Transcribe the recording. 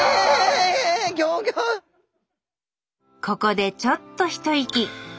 ここでちょっと一息。